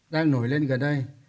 đang nổi lên gần đây